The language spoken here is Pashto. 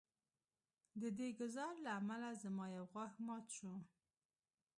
د دې ګزار له امله زما یو غاښ مات شو